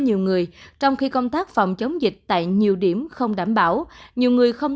nhiều người trong khi công tác phòng chống dịch tại nhiều điểm không đảm bảo nhiều người không